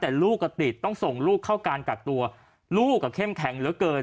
แต่ลูกก็ติดต้องส่งลูกเข้าการกักตัวลูกอ่ะเข้มแข็งเหลือเกิน